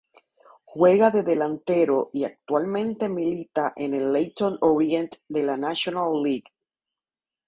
Juega de delantero y actualmente milita en el Leyton Orient de la National League.